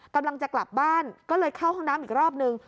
กำลังจะกลับบ้านก็เลยเข้าห้องน้ำอีกรอบนึง